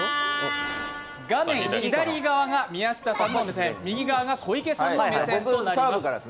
画面左側が宮下さんの目線、右側が小池さんの目線となります。